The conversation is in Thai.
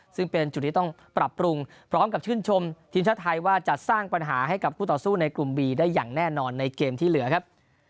ซึ่งเป็นจุดที่ต้องปรับปรุงพร้อมกับชื่นชมทีมชาติไทยว่าจะสร้างปัญหาให้กับผู้ต่อสู้ในกลุ่มบีได้อย่างแน่นอนในเกมที่เหลือครับ